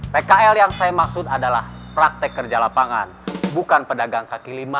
pkl yang saya maksud adalah praktek kerja lapangan bukan pedagang kaki lima